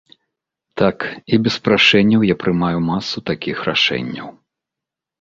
Так, і без прашэнняў я прымаю масу такіх рашэнняў.